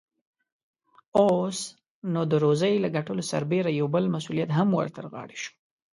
اوس، نو د روزۍ له ګټلو سربېره يو بل مسئوليت هم ور ترغاړې شو.